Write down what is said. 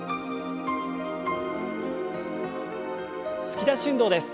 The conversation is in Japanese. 突き出し運動です。